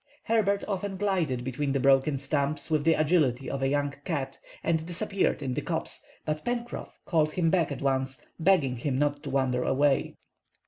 Herbert often glided between the broken stumps with the agility of a young cat and disappeared in the copse, but Pencroff called him back at once, begging him not to wander away.